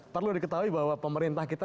perlu diketahui bahwa pemerintah kita